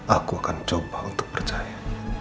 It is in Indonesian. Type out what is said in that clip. aku akan coba untuk percaya